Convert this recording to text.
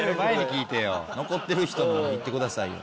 残ってる人に行ってくださいよ。